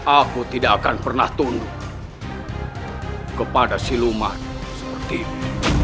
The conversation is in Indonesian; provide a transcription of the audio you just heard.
aku tidak akan pernah tunduk kepada siluman seperti ini